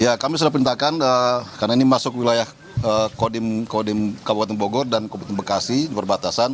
ya kami sudah perintahkan karena ini masuk wilayah kodim kabupaten bogor dan kabupaten bekasi di perbatasan